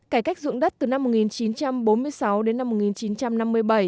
cải cách dụng đất từ năm một nghìn chín trăm bốn mươi sáu đến năm một nghìn chín trăm năm mươi bảy